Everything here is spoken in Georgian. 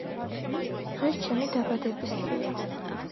დღეს ჩემი დაბადებისდღეა